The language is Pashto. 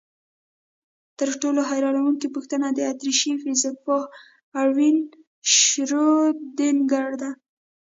تر ټولو حیرانوونکې پوښتنه د اتریشي فزیکپوه اروین شرودینګر ده.